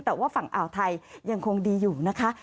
แต่ว่าฝั่งอ่าวไทยยังคงดีอยู่นะคะ